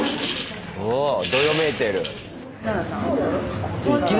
おどよめいてる。